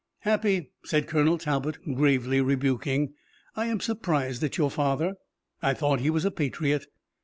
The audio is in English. "Happy," said Colonel Talbot, gravely rebuking, "I am surprised at your father. I thought he was a patriot."